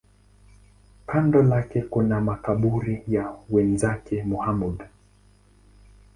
Kando lake kuna makaburi ya wenzake Muhammad.